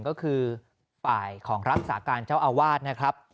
ก็คือฝ่ายของรักษาการเจ้าอาวาสนะครับ